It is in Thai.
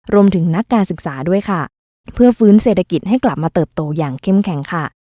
รวมถึงนักการศึกษาด้วยค่ะเพื่อฟื้นเศรษฐกิจให้กลับมาเติบโตอย่างเข้มแข็งค่ะ